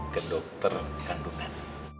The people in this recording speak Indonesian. ke dokter kandungan